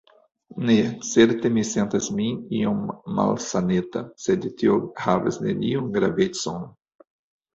Ne; certe mi sentas min iom malsaneta; sed tio havas neniun gravecon.